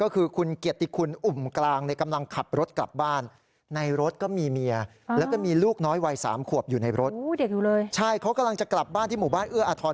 เขากำลังจะกลับบ้านที่หมู่บ้านเอื้ออาทร